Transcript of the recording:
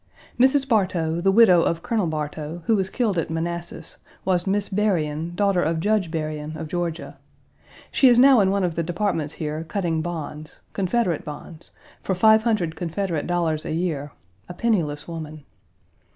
Mrs. Bartow, the widow of Colonel Bartow, who was killed at Manassas, was Miss Berrien, daughter of Judge Berrien, of Georgia. She is now in one of the departments here, cutting bonds Confederate bonds for five hundred Confederate dollars a year, a penniless woman.